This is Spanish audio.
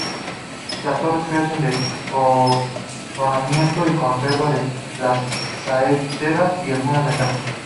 Las torres carecen de coronamiento y conservan las saeteras y algunas ventanas.